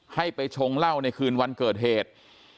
ให้ไปชงเหล้าในคืนวันเกิดเหตุ